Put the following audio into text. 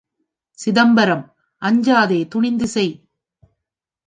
சிதம்பரம் அஞ்சாதே துணிந்து செய்.